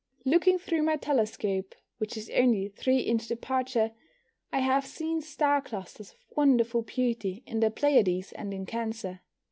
Looking through my telescope, which is only 3 inch aperture, I have seen star clusters of wonderful beauty in the Pleiades and in Cancer.